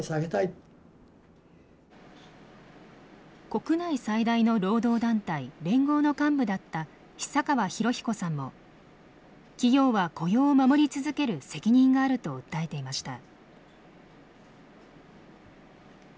国内最大の労働団体連合の幹部だった久川博彦さんも企業は雇用を守り続ける責任があると訴えていました。